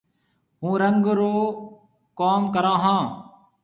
هُون رنگ رو ڪم ڪرون هون۔